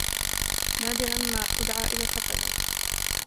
نادرًا ما أُدعى إلى الحفلات.